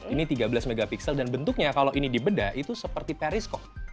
ini tiga belas mp dan bentuknya kalau ini dibeda itu seperti perisco